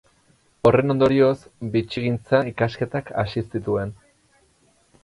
Horren ondorioz, bitxigintza ikasketak hasi zituen.